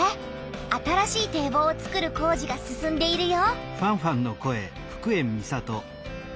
新しい堤防をつくる工事が進んでいるよ。